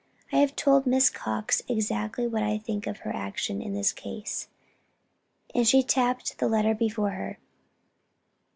I have told Miss Cox exactly what I think of her action in this case," and she tapped the letter before her.